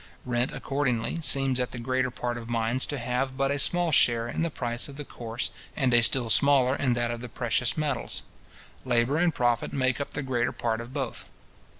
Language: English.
Rent accordingly, seems at the greater part of mines to have but a small share in the price of the coarse, and a still smaller in that of the precious metals. Labour and profit make up the greater part of both.